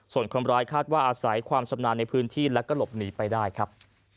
ส่วนคนร้ายคาดว่าอาศัยความชำนาญในพื้นที่และก็หลบหนีไปได้ครับ